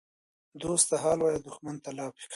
ـ دوست ته حال وایه دښمن ته لافي کوه.